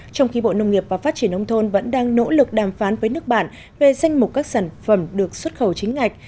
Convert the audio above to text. trong khi bộ nông nghiệp và phát triển nông thôn vẫn đang nỗ lực đàm phán với nước bạn về danh mục các sản phẩm được xuất khẩu chính ngạch